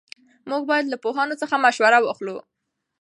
موږ باید له پوهانو څخه مشوره واخلو.